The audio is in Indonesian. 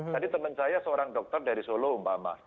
tadi teman saya seorang dokter dari solo umpama